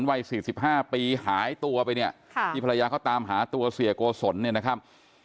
วัย๔๕ปีหายตัวไปเนี่ยที่ภรรยาเขาตามหาตัวเสียโกศลเนี่ยนะครับ